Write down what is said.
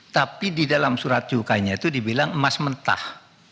tapi di dalam surat cukainya itu dibilang emas mentah